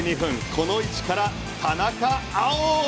この位置から田中碧！